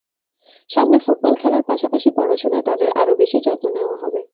সামনে ফুটবল খেলার পাশাপাশি পড়াশোনায় তাদের আরও বেশি যত্ন নেওয়া হবে।